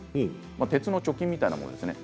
鉄の貯金みたいなものですね。